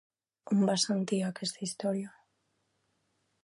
On va sentir aquesta història?